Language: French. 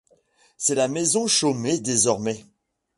C'est la maison Chaumet désormais.